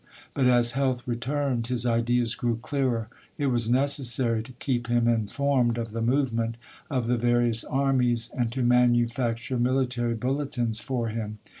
But as health returned, his ideas grew clearer. It was necessary to keep him informed of the movement of the various armies, and to manufacture military bulletins for him.